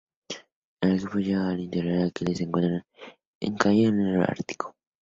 El equipo llega al interior del Aquiles, que se encuentra encallado en el Ártico.